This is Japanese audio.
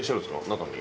中に。